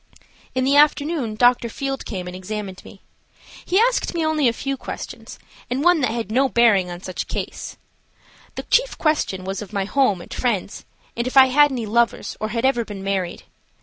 In the afternoon Dr. Field came and examined me. He asked me only a few questions, and one that had no bearing on such a case. The chief question was of my home and friends, and if I had any lovers or had ever been married.